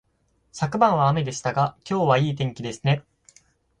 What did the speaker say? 昨晩は雨でしたが、今日はいい天気ですね